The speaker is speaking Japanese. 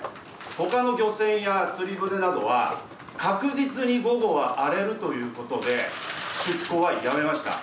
ほかの漁船や釣り船などは、確実に午後は荒れるということで、出航はやめました。